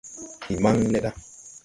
Ndi maŋn le ɗa.